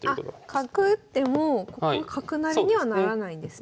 角打ってもここ角成りにはならないんですね